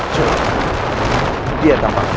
coba dia tambah